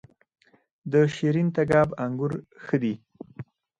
د شیرین تګاب انګور ښه دي